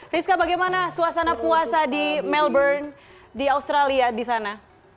rizka bagaimana suasana puasa di melbourne di australia di sana